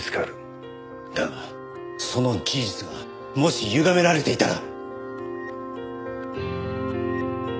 だがその事実がもしゆがめられていたら。